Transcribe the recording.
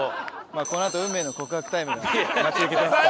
このあと運命の告白タイムが待ち受けてますから。